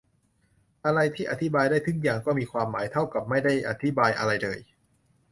อะไรที่อธิบายได้ทุกอย่างก็มีความหมายเท่ากับไม่ได้อธิบายอะไรเลย